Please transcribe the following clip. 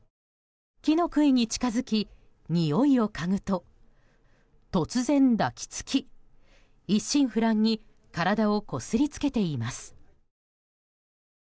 木の杭に近づきにおいをかぐと突然抱き着き一心不乱に体をこすりつけています。